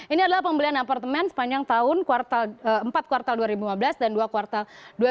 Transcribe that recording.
ini adalah pembelian apartemen sepanjang tahun empat kuartal dua ribu lima belas dan dua kuartal dua ribu enam belas